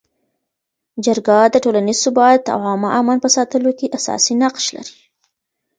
جرګه د ټولنیز ثبات او عامه امن په ساتلو کي اساسي نقش لري.